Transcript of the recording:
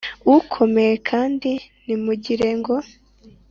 ukomeye kandi ntimugire ngo